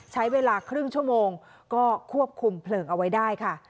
ใช้เวลาครึ่งชั่วโมงก็ควบคุมเพลิงเอาไว้ได้ค่ะ